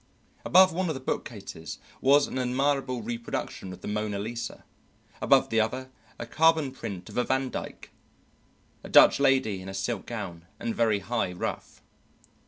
Above one of the bookcases was an admirable reproduction of the "Mona Lisa"; above the other, a carbon print of a Vandyke, a Dutch lady in a silk gown and very high ruff.